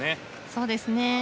そうですね。